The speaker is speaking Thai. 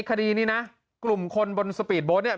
คดีนี้นะกลุ่มคนบนสปีดโบ๊ทเนี่ย